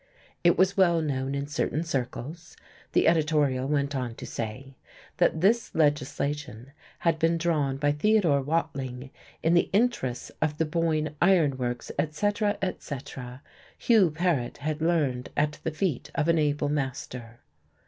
It was well known in certain circles the editorial went on to say that this legislation had been drawn by Theodore Watling in the interests of the Boyne Iron Works, etc., etc. Hugh Paret had learned at the feet of an able master.